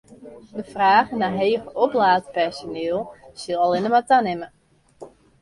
De fraach nei heger oplaat personiel sil allinnich mar tanimme.